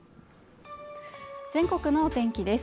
全国のお天気です